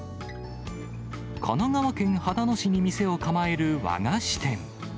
神奈川県秦野市に店を構える和菓子店。